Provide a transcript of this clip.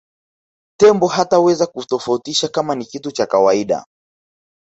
tembo hataweza kutofautisha kama ni kitu cha kawaida